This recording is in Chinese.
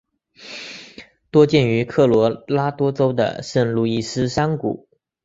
多见于科罗拉多州的圣路易斯山谷。